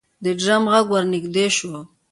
د ډرم غږ ورنږدې شو.